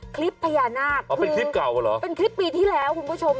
คลิปพญานาคเป็นคลิปปีที่แล้วคุณผู้ชม